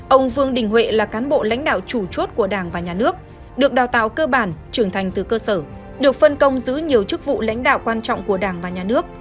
ông vương đình huệ là cán bộ lãnh đạo chủ chốt của đảng và nhà nước được đào tạo cơ bản trưởng thành từ cơ sở được phân công giữ nhiều chức vụ lãnh đạo quan trọng của đảng và nhà nước